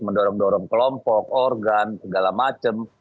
mendorong dorong kelompok organ segala macam